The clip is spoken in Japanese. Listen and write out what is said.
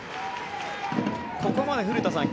ここまで古田さん